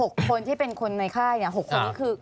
อีก๖คนที่เป็นคนในค่ายเนี่ย๖คนนี่คือ